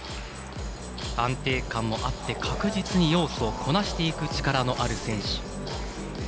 安定感もあって確実に要素をこなしていく力のある選手。